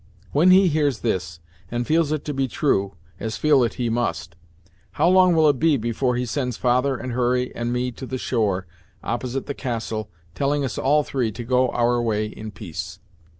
When he hears this, and feels it to be true, as feel it he must, how long will it be before he sends father, and Hurry, and me to the shore, opposite the castle, telling us all three to go our way in peace?"